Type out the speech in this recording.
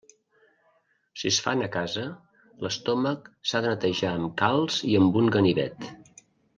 Si es fan a casa, l'estómac s'ha de netejar amb calç i amb un ganivet.